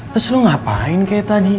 terus lo ngapain kayak tadi